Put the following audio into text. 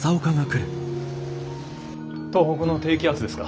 東北の低気圧ですか？